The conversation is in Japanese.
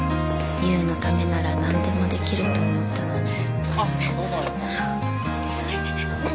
優のためなら何でもできると思ったのにすいません